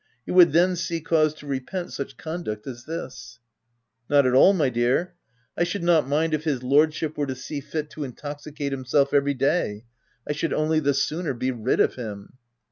You would then see cause to repent such conduct as this/' " Not at all, my dear ! I should not mind if his Lordship were to see fit to intoxicate himself every day : I should only the sooner be rid of him."